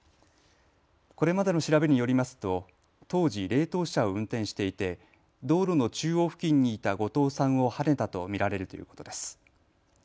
これまでの調べによりますと当時、冷凍車を運転していて道路の中央付近にいた後藤さんをはねたと見られるということです。